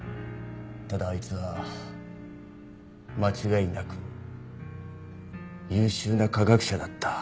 ただあいつは間違いなく優秀な科学者だった。